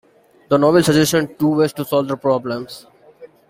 The novel suggests two ways to solve the problem.